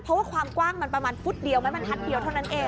เพราะว่าความกว้างมันประมาณฟุตเดียวไหมบรรทัศน์เดียวเท่านั้นเอง